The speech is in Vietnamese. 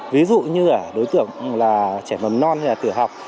ví dụ như là đối tượng là trẻ mầm non hay là tử học